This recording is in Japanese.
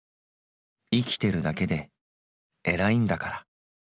生きてるだけでえらいんだから」。